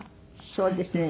そうですね。